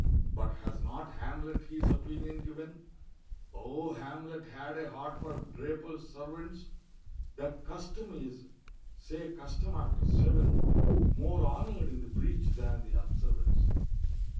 But has not Hamlet his opinion given O Hamlet had a heart for Drapers' servants! "That custom is" say custom after seven "More honor'd in the breach than the observance."